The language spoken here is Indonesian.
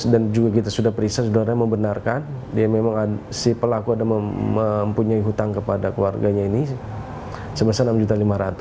juga kita sudah periksa saudara membenarkan dia memang si pelaku ada mempunyai hutang kepada keluarganya ini sebesar rp enam lima ratus